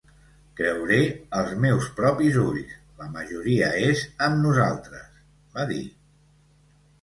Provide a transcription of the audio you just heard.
Creuré els meus propis ulls: la majoria és amb nosaltres, va dir.